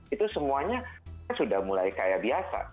itu semuanya sudah mulai kayak biasa